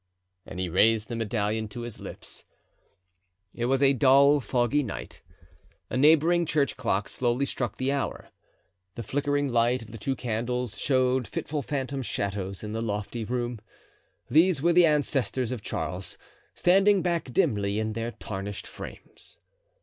And he raised the medallion to his lips. It was a dull, foggy night. A neighboring church clock slowly struck the hour. The flickering light of the two candles showed fitful phantom shadows in the lofty room. These were the ancestors of Charles, standing back dimly in their tarnished frames.